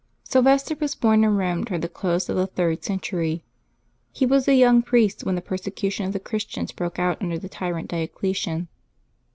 'ylvester was bom in Rome toward the close of the third century. He was a young priest when the persecution of the Christians broke out under the tyrant Diocletian.